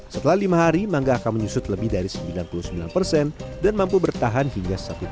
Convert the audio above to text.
setelah lima hari mangga akan menyusut lebih dari sembilan puluh sembilan persen dan mampu bertahan hingga satu tahun